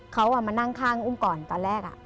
เขามานั่งข้างอุ้มก่อนตอนแรก